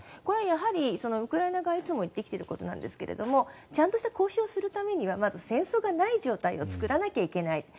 これはやはりウクライナ側がいつも言っていることなんですがちゃんとした交渉をするためにはまず戦争がない状態を作らないといけない